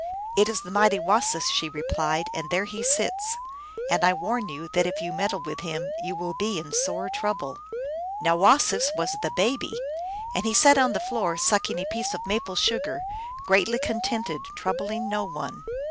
" It is the mighty Wasis" she replied, " and there he sits ; and I warn you that if you meddle with him you will be in sore trouble." Now Wasis was the Baby. And he sat on the floor sucking a piece of maple sugar, greatly con tented, troubling no one.